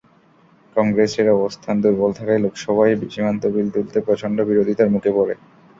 কংগ্রেসের অবস্থান দুর্বল থাকায় লোকসভায় সীমান্ত বিল তুলতে প্রচণ্ড বিরোধিতার মুখে পড়ে।